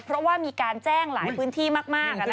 เพราะว่ามีการแจ้งหลายพื้นที่มาก